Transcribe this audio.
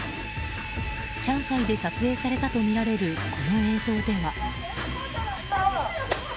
上海で撮影されたとみられるこの映像では。